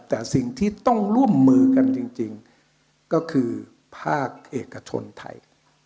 แต่สิ่งที่ต้องร่วมมือกันจริงก็คือภาคเอกชนไทย